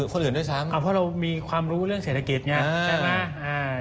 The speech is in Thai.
เพราะเรามีความรู้เรื่องเศรษฐกิจนะครับ